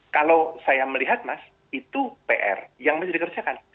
kalau saya melihat itu pr yang menjadi kerja kan